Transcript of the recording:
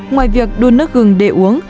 ngoài việc đun nước gừng để uống